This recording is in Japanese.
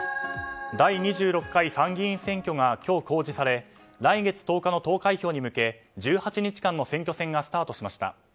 第２６回参議院選挙が今日、公示され来月１０日の投開票に向け１８日間の選挙戦がスタートしました。